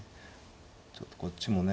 ちょっとこっちもね